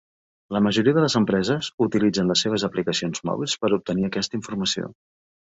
La majoria de les empreses utilitzen les seves aplicacions mòbils per obtenir aquesta informació.